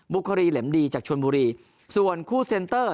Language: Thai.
คดีเหล็มดีจากชนบุรีส่วนคู่เซ็นเตอร์